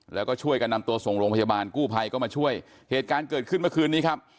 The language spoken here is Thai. แล้วก็ช่วยกันนำตัวส่งโรงพยาบาลกู้ภัยก็มาช่วยเหตุการณ์เกิดขึ้นเมื่อคืนนี้ครับ